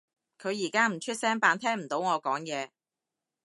佢而家唔出聲扮聽唔到我講嘢